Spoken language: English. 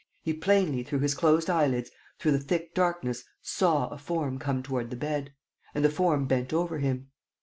He plainly, through his closed eyelids, through the thick darkness, saw a form come toward the bed. And the form bent over him.